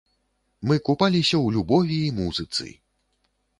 Мы купаліся ў любові і музыцы!